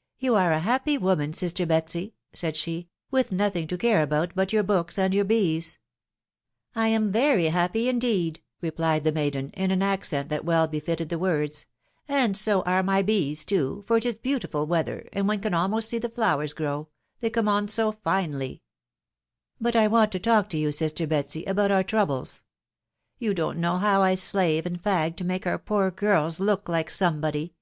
" You are a happy woman, sister Betsy," said she, " with nothing to care about but your books and your bees !"" I am very happy, indeed," replied the maiden, in an ac cent that well befitted the words ;" and so are my bees too, for it is beautiful weather, and one can almost see the flowers grow, they come on so finely," " But I want to talk to you, sister Betsy, about our trou bles You don't know how I slave and fag to make our poor girls look like somebody.